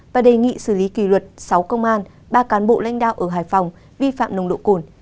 và đề nghị xử lý kỳ luật sáu công an ba cán bộ lãnh đạo ở hải phòng vi phạm nồng độ cồn